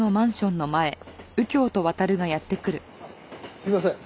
すいません。